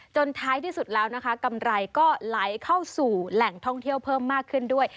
ท้ายที่สุดแล้วนะคะกำไรก็ไหลเข้าสู่แหล่งท่องเที่ยวเพิ่มมากขึ้นด้วย